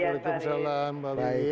waalaikumsalam pak wiwi